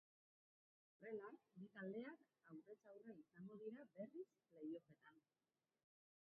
Horrela, bi taldeak aurrez aurre izango dira berriz play-offetan.